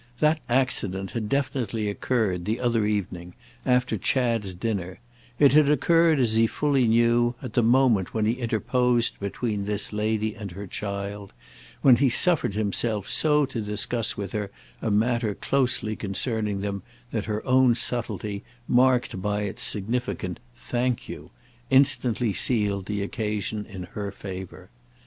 That accident had definitely occurred, the other evening, after Chad's dinner; it had occurred, as he fully knew, at the moment when he interposed between this lady and her child, when he suffered himself so to discuss with her a matter closely concerning them that her own subtlety, marked by its significant "Thank you!" instantly sealed the occasion in her favour.